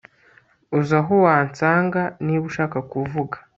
Uzi aho wansanga niba ushaka kuvuga